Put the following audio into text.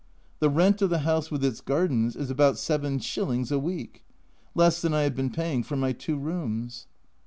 The rent of the house with its garden is about 73. a week ! Less than I have been paying for my two rooms.